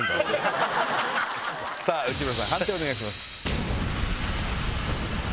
内村さん判定をお願いします。